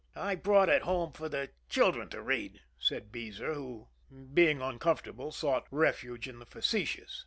"I brought it home for the children to read," said Beezer, who, being uncomfortable, sought refuge in the facetious.